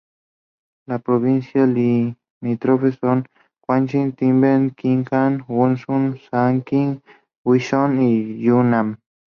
Las provincias limítrofes son: Chongqing, Tíbet, Qinghai, Gansu, Shaanxi, Guizhou y Yunnan.